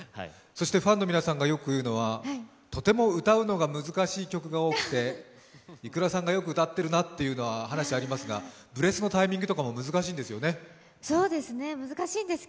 ファンの皆さんがよく言うのは、とても歌うのが難しい曲が多くて、ｉｋｕｒａさんがよく歌ってるなという話もありますが、ブレスのタイミングとかも難しいんですよね。